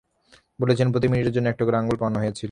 বলেছিলেন প্রতি মিনিটের জন্য একটা করে আঙুল পাওনা হয়েছিল।